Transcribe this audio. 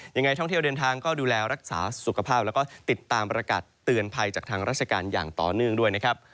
ยังไงท่องเที่ยวเดินทางก็ดูแลรักษาสุขภาพแล้วก็ติดตามประกาศเตือนภัยจากทางราชการอย่างต่อเนื่องด้วยนะครับ